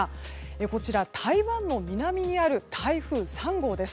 こちら台湾の南にある台風３号です。